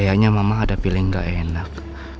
kayaknya mama ada pilih yang gak enak